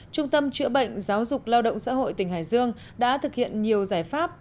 trung tâm chữa bệnh giáo dục lao động xã hội tỉnh hải dương đã thực hiện nhiều giải pháp